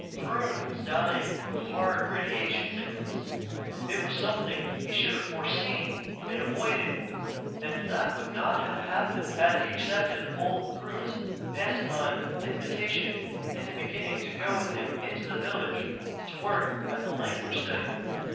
Throon was dying of hard radiation sickness. It was something he should have foreseen and avoided and that would not have happened had he accepted old Throon's pantomimed invitation, in the beginning, to go with him into the village to work at the language study.